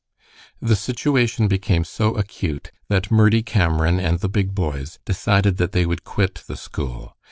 The situation became so acute that Murdie Cameron and the big boys decided that they would quit the school.